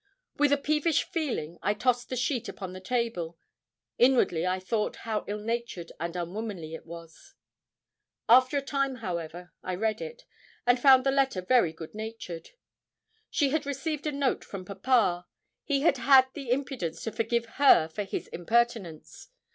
With a peevish feeling I tossed the sheet upon the table. Inwardly I thought how ill natured and unwomanly it was. After a time, however, I read it, and found the letter very good natured. She had received a note from papa. He had 'had the impudence to forgive her for his impertinence.'